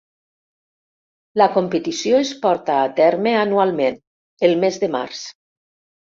La competició es porta a terme anualment el mes de març.